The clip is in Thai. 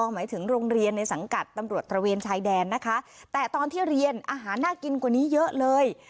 หมายถึงโรงเรียนในสังกัดตำรวจตระเวนชายแดนนะคะแต่ตอนที่เรียนอาหารน่ากินกว่านี้เยอะเลย